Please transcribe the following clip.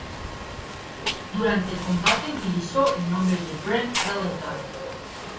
Durante el combate utilizó el nombre de Brent Wellington.